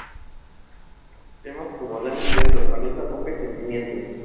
Temas como "Dame Un Beso", "Con Esta Copa" y "Sentimientos".